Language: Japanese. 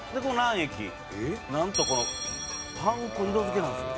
なんとこのパン粉２度づけなんですよ。